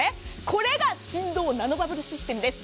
これが振動ナノバブルシステムです。